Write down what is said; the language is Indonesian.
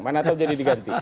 mana tahu jadi diganti